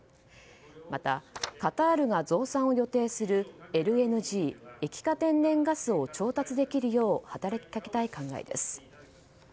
またカタールが増産を予定するＬＮＧ・液化天然ガスを調達できるよう働きかけたい考えです。